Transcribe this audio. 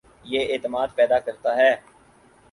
یہ اعتماد پیدا کرتا ہے